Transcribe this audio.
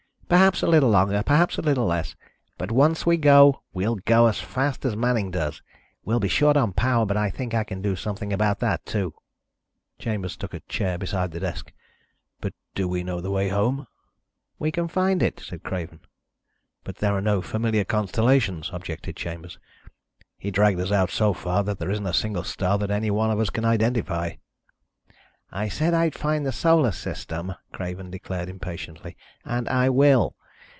"Perhaps a little longer, perhaps a little less. But once we go, we'll go as fast as Manning does. We'll be short on power, but I think I can do something about that, too." Chambers took a chair beside the desk. "But do we know the way home?" "We can find it," said Craven. "But there are no familiar constellations," objected Chambers. "He dragged us out so far that there isn't a single star that any one of us can identify." "I said I'd find the Solar System," Craven declared impatiently, "and I will.